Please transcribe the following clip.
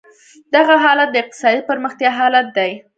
دغه حالت د اقتصادي پرمختیا حالت دی.